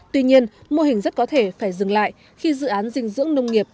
tuy nhiên mô hình rất có thể phải dừng lại khi dự án dinh dưỡng nông nghiệp